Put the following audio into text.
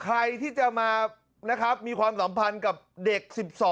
ใครที่จะมานะครับมีความสัมพันธ์กับเด็ก๑๒